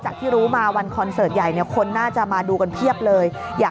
ที่รู้มาวันคอนเสิร์ตใหญ่เนี่ยคนน่าจะมาดูกันเพียบเลยอยาก